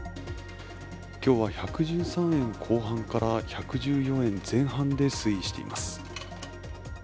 今日は１１３円後半から１１４円前半で推移しています。